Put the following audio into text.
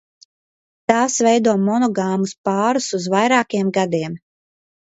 Tās veido monogāmus pārus uz vairākiem gadiem.